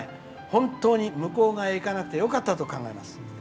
本当に向こう側へ行かなくてよかったと考えます」。